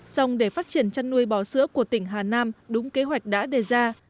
xong để phát triển chăn nuôi bò sữa của tỉnh hà nam đúng kế hoạch đã đề ra